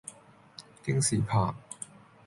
京士柏